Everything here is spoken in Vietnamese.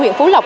huyện phú lộc